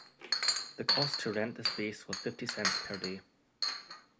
The cost to rent the space was fifty cents per day.